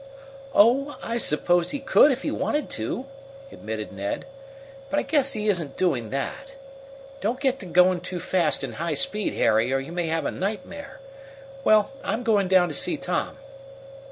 "Oh, I suppose he could if he wanted to," admitted Ned. "But I guess he isn't doing that. Don't get to going too fast in high speed, Harry, or you may have nightmare. Well, I'm going down to see Tom."